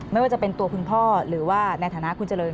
ไม่ว่าจะเป็นตัวคุณพ่อหรือว่าในฐานะคุณเจริญ